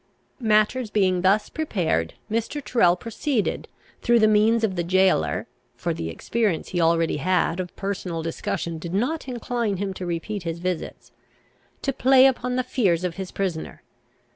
Matters being thus prepared, Mr. Tyrrel proceeded, through the means of the gaoler (for the experience he already had of personal discussion did not incline him to repeat his visits), to play upon the fears of his prisoner.